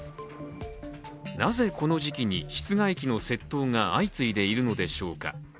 なぜ、この時期に室外機の窃盗が相次いでいるのでしょうか。